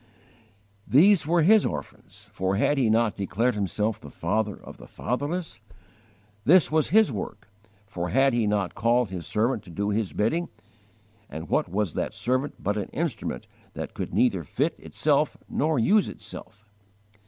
These were His orphans, for had He not declared Himself the Father of the fatherless? This was His work, for had He not called His servant to do His bidding, and what was that servant but an instrument that could neither fit itself nor use itself?